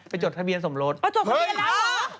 จดทะเบียนสมรสอ๋อจดทะเบียนแล้วเหรอ